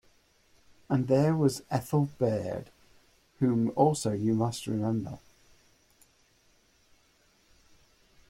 And there was Ethel Baird, whom also you must remember.